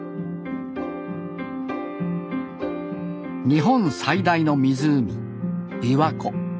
日本最大の湖びわ湖。